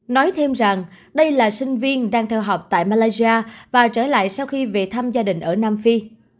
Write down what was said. nói thêm rằng đây là sinh viên đang theo học tại malaysia và trở lại sau khi về thăm gia đình ở nam phi